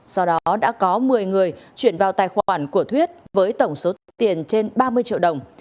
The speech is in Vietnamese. sau đó đã có một mươi người chuyển vào tài khoản của thuyết với tổng số tiền trên ba mươi triệu đồng